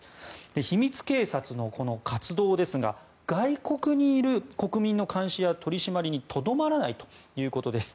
秘密警察の活動ですが外国にいる国民の監視や取り締まりにとどまらないということです。